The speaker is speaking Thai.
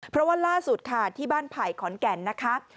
เพราะว่าล่าสุดค่ะที่บ้านไผ่ขอนแก่นนะคะ